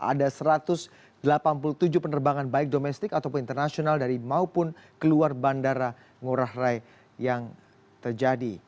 ada satu ratus delapan puluh tujuh penerbangan baik domestik ataupun internasional dari maupun keluar bandara ngurah rai yang terjadi